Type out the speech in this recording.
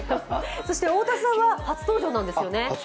太田さんは初登場なんですよね。